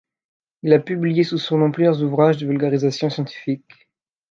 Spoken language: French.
Il a publié sous son nom plusieurs ouvrages de vulgarisation scientifique.